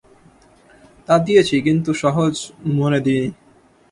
তা দিয়েছি, কিন্তু সহজ মনে দিই নি।